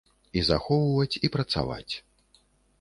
І захоўваць і працаваць.